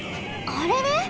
あれれ？